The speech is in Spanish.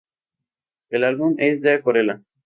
El álbum es de acuarela.